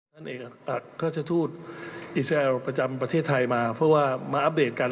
ท่านเอกอักราชทูตอิสราเอลประจำประเทศไทยมาเพราะว่ามาอัปเดตกัน